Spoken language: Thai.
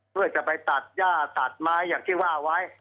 เพื่อจะไปตัดย่าตัดไม้อย่างที่ว่าไว้